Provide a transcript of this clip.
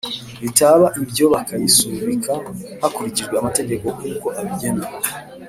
Bitaba ibyo bakayisubika hakurikijwe amategeko nkuko abigena